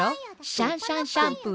シャンシャンシャンプー。